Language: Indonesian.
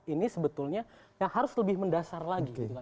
ini sebetulnya harus lebih mendasar lagi